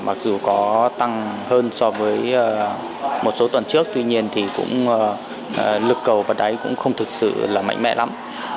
mặc dù có tăng hơn so với một số tuần trước tuy nhiên lực cầu và đáy cũng không thực sự mạnh mẽ lắm